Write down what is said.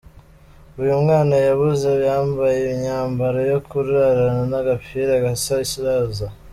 Uyu mwana yabuze yambaye imyambaro yo kurarana n’agapira gasa iroza.